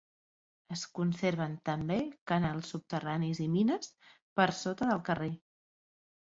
Es conserven també canals subterranis i mines per sota del carrer.